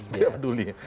tidak peduli ya